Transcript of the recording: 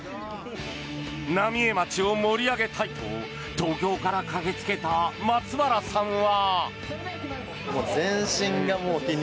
浪江町を盛り上げたいと東京から駆けつけた松原さんは。